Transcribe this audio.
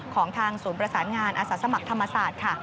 ของทางศูนย์ประสานงานอาสาสมัครธรรมศาสตร์ค่ะ